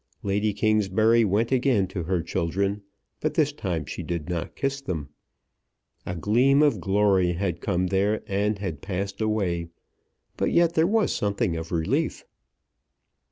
Lady Kingsbury went again to her children, but this time she did not kiss them. A gleam of glory had come there and had passed away; but yet there was something of relief.